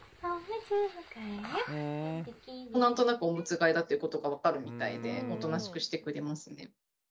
何となくおむつ替えだっていうことが分かるみたいでおとなしくしてくれますね。